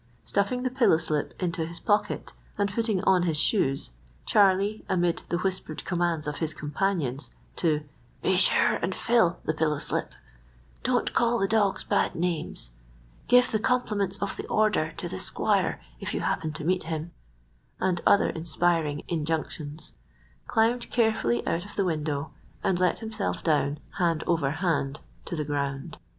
Stuffing the pillow slip into his pocket, and putting on his shoes, Charlie, amid the whispered commands of his companions—to "Be sure and fill the pillow slip," "Don't call the dogs bad names," "Give the compliments of the order to the squire if you happen to meet him," and other inspiring injunctions—climbed carefully out of the window, and let himself down hand over hand to the ground.